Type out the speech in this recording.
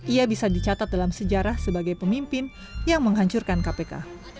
ia bisa dicatat dalam sejarah sebagai pemimpin yang menghancurkan kpk